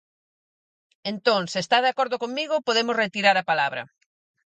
Entón, se está de acordo comigo, podemos retirar a palabra.